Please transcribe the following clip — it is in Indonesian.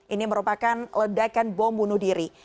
ini merupakan ledakan bom bunuh diri